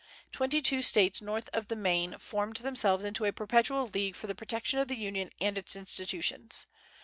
Twenty two States north of the Main formed themselves into a perpetual league for the protection of the Union and its institutions.